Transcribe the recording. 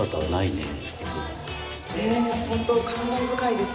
ねえほんと感慨深いです。